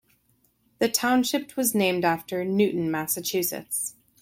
The township was named after Newton, Massachusetts.